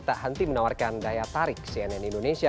tak henti menawarkan daya tarik cnn indonesia